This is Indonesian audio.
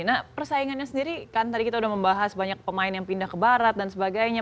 nah persaingannya sendiri kan tadi kita udah membahas banyak pemain yang pindah ke barat dan sebagainya